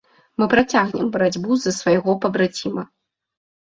Мы працягнем барацьбу за свайго пабраціма.